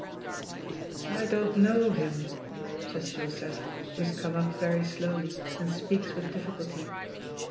"I don't know him," says Joseph, who has come up very slowly and speaks with difficulty.